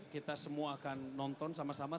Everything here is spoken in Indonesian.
kita semua akan nonton sama sama